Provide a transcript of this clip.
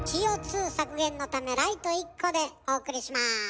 ＣＯ削減のためライト１個でお送りします。